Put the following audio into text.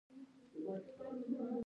ایا ستاسو لید لوری روښانه نه دی؟